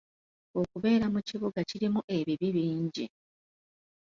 Okubeera mu kibuga kirimu ebibi bingi .